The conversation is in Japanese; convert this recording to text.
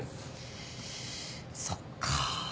そっか。